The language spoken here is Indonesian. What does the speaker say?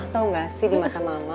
tau gak sih di mata mama